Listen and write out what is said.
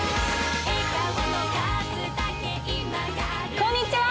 こんにちは！